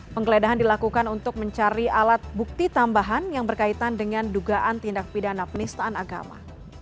penggeledahan dilakukan untuk mencari alat bukti tambahan yang berkaitan dengan dugaan tindak pidana penistaan agama